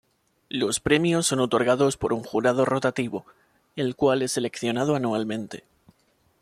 Los premios son otorgados por un jurado rotativo, el cual es seleccionado anualmente.